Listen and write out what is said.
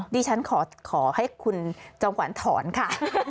ดิฉันขอให้คุณจอมขวัญถอนค่ะ